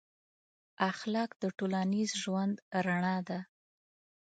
اخلاق د ټولنیز ژوند رڼا ده.